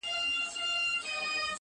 له ناکامه یې ځان سیند ته ور ایله کړ!